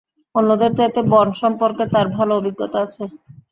অন্যদের চাইতে বন সম্পর্কে তার ভালো অভিজ্ঞতা আছে।